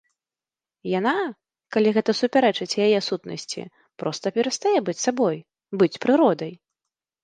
Яна, калі гэта супярэчыць яе сутнасці, проста перастае быць сабой, быць прыродай.